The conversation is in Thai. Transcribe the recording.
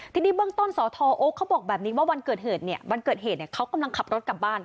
ที่นี่เบื้องต้นสธโอ๊คเขาบอกแบบนี้ว่าวันเกิดเหตุเขากำลังขับรถกลับบ้าน